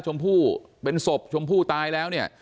ชมพู่เป็นศพชมพู่ตายแล้วเนี่ย